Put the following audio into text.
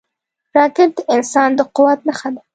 راکټ د انسان د قوت نښه ده